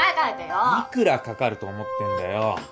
いくらかかると思ってんだよ。